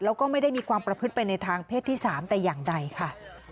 แล้วก็ไม่ได้มีความประพฤติไปในทางเพศที่๓แต่อย่างใดค่ะ